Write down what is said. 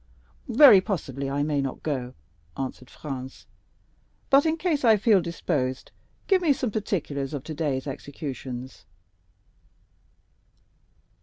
"Very possibly I may not go," answered Franz; "but in case I feel disposed, give me some particulars of today's executions."